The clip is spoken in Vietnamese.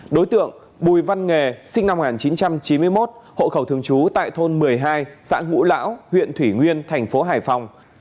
đối tượng bùi văn nghề sinh năm một nghìn chín trăm chín mươi một hộ khẩu thường trú tại thôn một mươi hai xã ngũ lão huyện thủy nguyên thành phố hải phòng